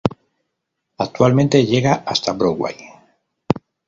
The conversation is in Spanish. Actualmente llega hasta Broadway.